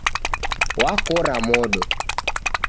Wakora modo